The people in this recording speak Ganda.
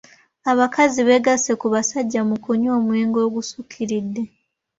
Abakazi beegasse ku basajja mu kunywa omwenge ogusukkiridde.